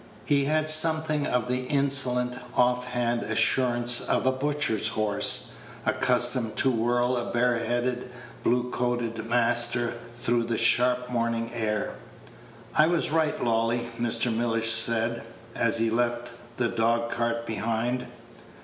He had something of the insolent, off hand assurance of a butcher's horse, accustomed to whirl a bare headed, blue coated master through the sharp morning air. "I was right, Lolly," Mr. Mellish said, as he left the dog cart behind.